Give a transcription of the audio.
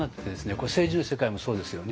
これ政治の世界もそうですよね。